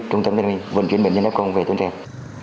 trung tâm viên vận chuyển bệnh nhân f về tuấn trang